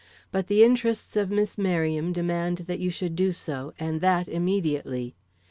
But the interests of Miss Merriam demand that you should do so, and that immediately.